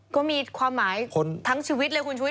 ก็มีความหมายทั้งชีวิตเลยคุณชุวิ